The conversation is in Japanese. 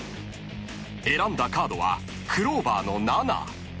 ［選んだカードはクローバーの７］